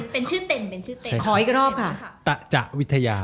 เป็นชื่อเต็ม